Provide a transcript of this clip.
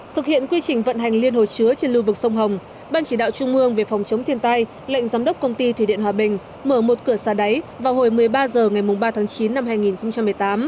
thực hiện quy trình vận hành liên hồ chứa trên lưu vực sông hồng ban chỉ đạo trung ương về phòng chống thiên tai lệnh giám đốc công ty thủy điện hòa bình mở một cửa xa đáy vào hồi một mươi ba h ngày ba tháng chín năm hai nghìn một mươi tám